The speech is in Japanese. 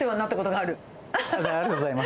ありがとうございます。